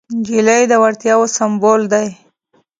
نجلۍ د وړتیاوو سمبول ده.